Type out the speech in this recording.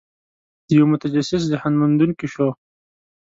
د یوه متجسس ذهن موندونکي شو.